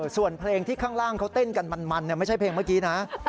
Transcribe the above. ส่วนเพลงที่ข้างล่างเขาเต้นกันมันไม่ใช่เพลงเมื่อกี้นะ